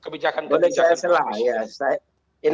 boleh saya silakan